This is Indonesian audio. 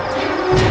jangan bunuh saya